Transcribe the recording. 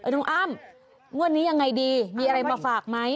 น้องอ้ำงวดนี้ยังไงดีมีอะไรมาฝากไหม